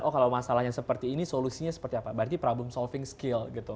oh kalau masalahnya seperti ini solusinya seperti apa berarti problem solving skill gitu